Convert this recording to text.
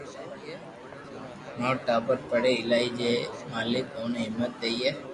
مارو ٽاٻر پڙي ايلائي ھي مالڪ اوني ھمت ديئي